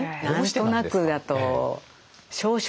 「何となく」だと「少々」